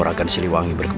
jangan salahkan aku